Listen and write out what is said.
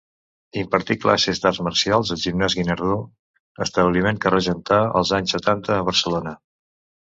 Impartí classes d’arts marcials al Gimnàs Guinardó, establiment que regentà els anys setanta a Barcelona.